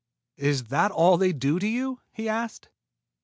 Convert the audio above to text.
"Is that all they do to you?" he asked.